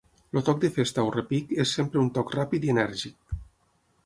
El toc de festa o repic és sempre un toc ràpid i enèrgic.